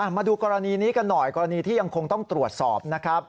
มาดูกรณีนี้กันหน่อยกรณีที่ยังคงต้องตรวจสอบนะครับ